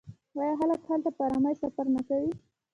آیا خلک هلته په ارامۍ سفر نه کوي؟